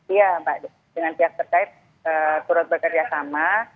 iya mbak dengan pihak terkait turut bekerjasama